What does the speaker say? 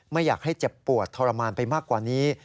ไม่อยากให้เจ็บปวดทรมานไปมากกว่านี้